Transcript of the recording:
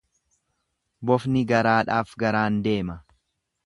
Bofni garaadhaaf garaan deema.